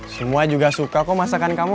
semua juga suka kok masakan kamu